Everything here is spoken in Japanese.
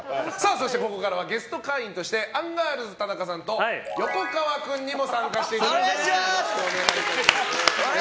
そしてここからはゲスト会員としてアンガールズ、田中さんと横川君にも参加していただきます。